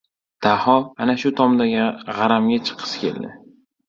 Daho ana shu tomdagi g‘aramga chiqqisi keldi.